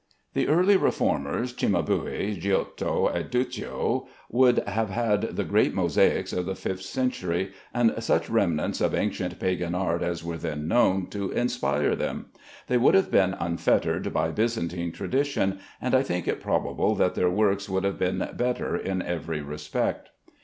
The early reformers, Cimabue, Giotto, and Duccio, would have had the great mosaics of the fifth century, and such remnants of ancient pagan art as were then known, to inspire them. They would have been unfettered by Byzantine tradition, and I think it probable that their works would have been better in every respect.